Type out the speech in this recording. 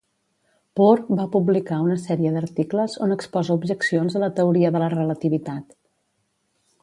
Poor va publicar una sèrie d'articles on exposa objeccions a la teoria de la relativitat.